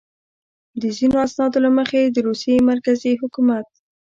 د ځینو اسنادو له مخې د روسیې مرکزي حکومت.